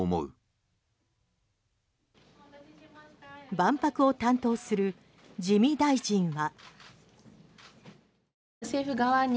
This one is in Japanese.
万博を担当する自見大臣は。